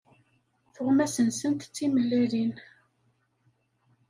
Tuɣmas-nsent d timellalin.